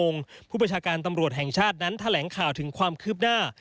ในตอนนั้นแถลงข่าวถึงความคืบหน้า